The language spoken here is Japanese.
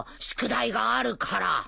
宿題があるから。